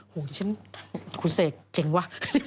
โหฉันคุณเศกเจ๋งวะ